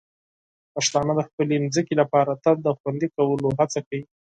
پښتانه د خپلې ځمکې لپاره تل د خوندي کولو هڅه کوي.